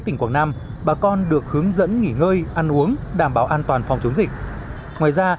tỉnh quảng nam bà con được hướng dẫn nghỉ ngơi ăn uống đảm bảo an toàn phòng chống dịch ngoài ra